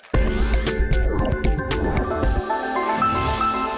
โปรดติดตามตอนต่อไป